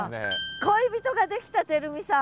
恋人ができたてるみさん。